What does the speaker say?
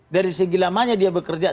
dari segi lamanya dia bekerja